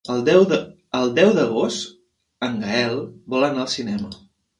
El deu d'agost en Gaël vol anar al cinema.